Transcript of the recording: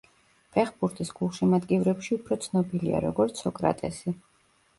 ფეხბურთის გულშემატკივრებში უფრო ცნობილია როგორც სოკრატესი.